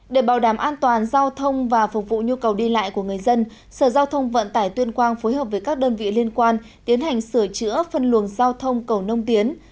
để bảo đảm an toàn giao thông và phục vụ nhu cầu đi lại của người dân sở giao thông vận tải tuyên quang phối hợp với các đơn vị liên quan tiến hành sửa chữa phân luồng giao thông cầu nông tiến